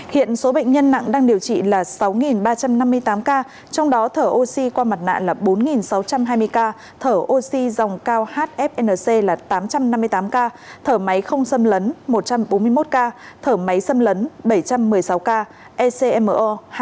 hiện số bệnh nhân nặng đang điều trị là sáu ba trăm năm mươi tám ca trong đó thở oxy qua mặt nạ là bốn sáu trăm hai mươi ca thở oxy dòng cao hfnc là tám trăm năm mươi tám ca thở máy không xâm lấn một trăm bốn mươi một ca thở máy xâm lấn bảy trăm một mươi sáu ca ecmo hai trăm ba